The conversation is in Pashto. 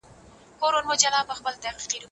شاه محمود د دښمن توپخانه په اسانۍ سره ونیوله.